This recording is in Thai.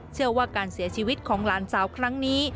เชื่อว่าการเสียชีวิตของหลานสาวครั้งนี้